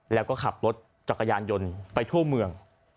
แล้วก็ขับรถจักรยานยนต์ไปทั่วเมือง